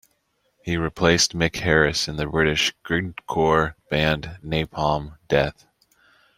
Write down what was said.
He replaced Mick Harris in the British grindcore band, Napalm Death.